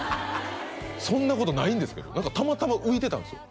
そんなことないんですけどたまたま浮いてたんですよ